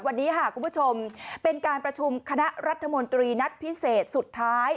วันนี้ค่ะคุณผู้ชมเป็นการประชุมคณะรัฐมนตรีนัดพิเศษสุดท้าย